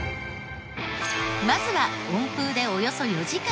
まずは温風でおよそ４時間かけて乾燥。